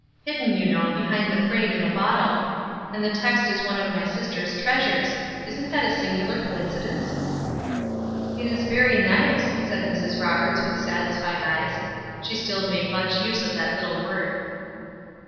Hidden, you know, behind the frame in a bottle; and the text is one of my sister's treasures. Isn't that a singular coincidence?" "It is very nice," said Mrs. Roberts, with satisfied eyes. She still made much use of that little word.